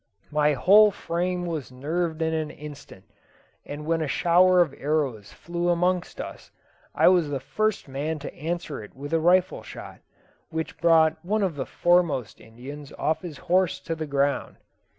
My whole frame was nerved in an instant, and when a shower of arrows flew amongst us, I was the first man to answer it with a rifle shot, which brought one of the foremost Indians off his horse to the ground.